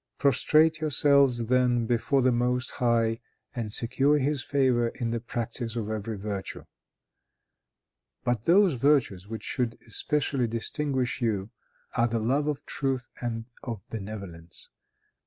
Prostrate yourselves, then, before the Most High, and secure his favor by the practice of every virtue. But those virtues which should especially distinguish you, are the love of truth and of benevolence.